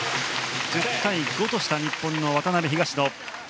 １０対５とした日本の渡辺、東野。